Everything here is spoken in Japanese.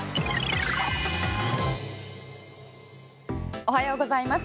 おはようございます。